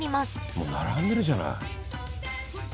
もう並んでるじゃない。